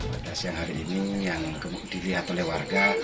pada siang hari ini yang dilihat oleh warga